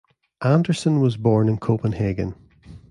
Andersen was born in Copenhagen.